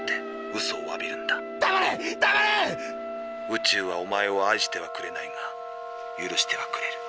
宇宙はおまえを愛してはくれないが許してはくれる。